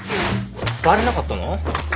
バレなかったの？